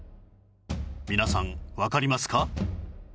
皆さんわかりますか？